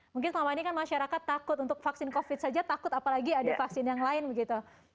mungkin selama ini kan masyarakat takut untuk vaksin covid saja takut apalagi ada vaksin yang lain begitu